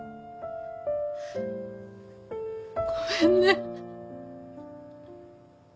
ごめんね。